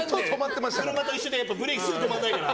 車と一緒でブレーキすぐ止まらないから。